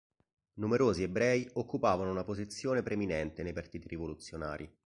Numerosi ebrei occupavano una posizione preminente nei partiti rivoluzionari.